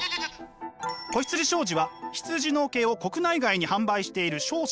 子羊商事は羊の毛を国内外に販売している商社。